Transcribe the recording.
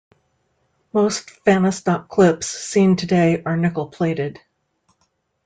Most Fahnestock clips seen today are nickel-plated.